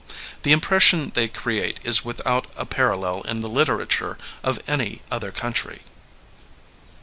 The impression they create is without a parallel in the literature of any other country.